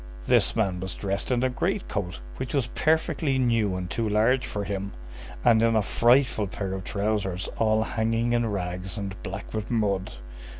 This man was dressed in a great coat which was perfectly new and too large for him, and in a frightful pair of trousers all hanging in rags and black with mud.